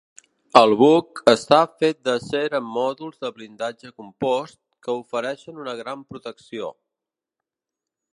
El buc està fet d'acer amb mòduls de blindatge compost, que ofereixen una gran protecció.